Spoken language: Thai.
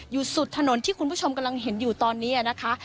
อยู่สุดถนนที่คุณผู้ชมกำลังเห็นอยู่ตอนนี้นะคะ